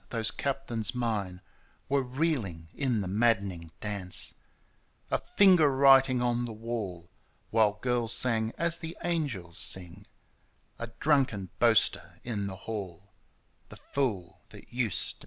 Those captains mine Were reeling in the maddening dance : A finger writing on the wall, While girls sang as the angels sing — A drunken boaster in the haU^ The fool thcU tued to be a king.